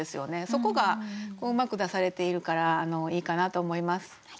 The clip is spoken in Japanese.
そこがうまく出されているからいいかなと思います。